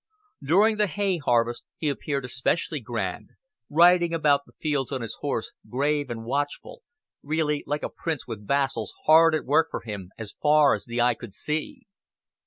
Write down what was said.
During the hay harvest he appeared especially grand, riding about the fields on his horse, grave and watchful, really like a prince with vassals hard at work for him as far as the eye could see.